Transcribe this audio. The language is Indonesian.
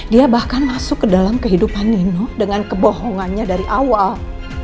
dia bahkan masuk ke dalam kehidupan nino dengan kebohongannya dari awal